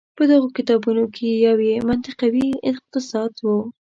په دغو کتابونو کې یو یې منطقوي اقتصاد و.